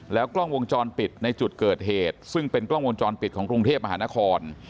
กล้องวงจรปิดในจุดเกิดเหตุซึ่งเป็นกล้องวงจรปิดของกรุงเทพมหานคร